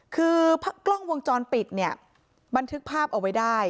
คือกล้องวงจรปิดเนี่ยบันทึกภาพเอาไว้ได้